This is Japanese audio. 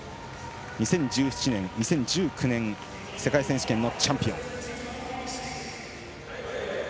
２０１７年、２０１９年世界選手権のチャンピオン。